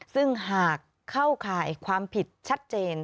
ซึ่งหากเข้าข่ายความผิดชัดเจน